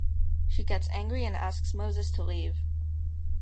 She gets angry and asks Moses to leave.